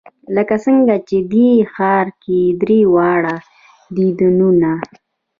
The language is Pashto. لکه څنګه چې دې ښار کې درې واړه دینونه.